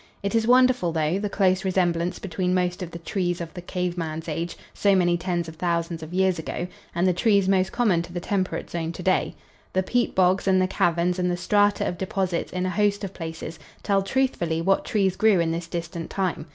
It is wonderful, though, the close resemblance between most of the trees of the cave man's age, so many tens of thousands of years ago, and the trees most common to the temperate zone to day. The peat bogs and the caverns and the strata of deposits in a host of places tell truthfully what trees grew in this distant time.